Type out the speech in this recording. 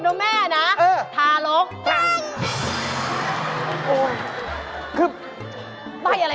ลูกอะไรกินได้